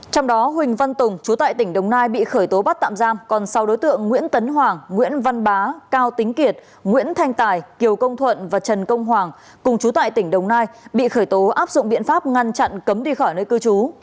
trong đó huỳnh văn tùng chú tại tỉnh đồng nai bị khởi tố bắt tạm giam còn sáu đối tượng nguyễn tấn hoàng nguyễn văn bá cao tính kiệt nguyễn thanh tài kiều công thuận và trần công hoàng cùng chú tại tỉnh đồng nai bị khởi tố áp dụng biện pháp ngăn chặn cấm đi khỏi nơi cư trú